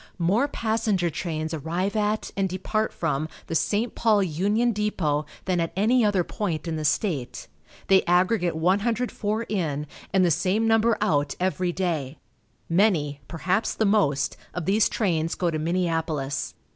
More passenger trains arrive at, and depart from, the St. Paul Union Depot than at any other point in the state. They aggregate 104 in, and the same number out every day. Many perhaps the most of these trains go to Minneapolis.